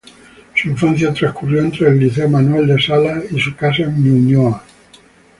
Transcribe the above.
Su infancia transcurrió entre el Liceo Manuel de Salas y su casa en Ñuñoa.